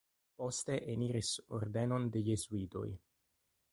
Poste eniris ordenon de jezuitoj.